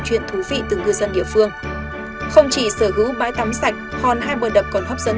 chuyện thú vị từ ngư dân địa phương không chỉ sở hữu bãi tắm sạch hòn hai bờ đập còn hấp dẫn